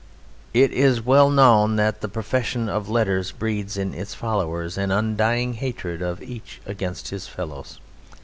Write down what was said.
It is well known that the profession of letters breeds in its followers an undying hatred of each against his fellows.